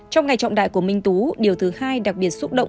trong ngày trọng đại của minh tú điều thứ hai đặc biệt xúc động